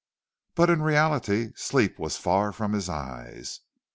But in reality sleep was far from his eyes.